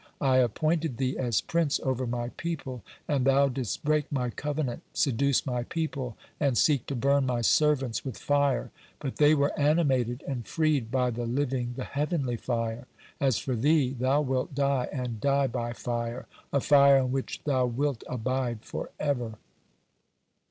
I appointed thee as prince over my people, and thou didst break My covenant, seduce My people, and seek to burn My servants with fire, but they were animated and freed by the living, the heavenly fire. As for thee, thou wilt die, and die by fire, a fire in which thou wilt abide forever."